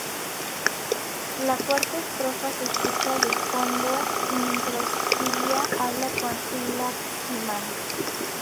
La cuarta estrofa se escucha de fondo mientras Surya habla con Lakshmi.